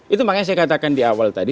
itu makanya saya katakan di awal tadi